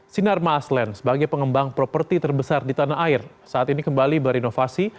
sinarma aslan sebagai pengembang properti terbesar di tanah air saat ini kembali berinovasi